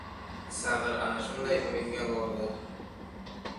Sag‘ir ana shunday umidga bordi!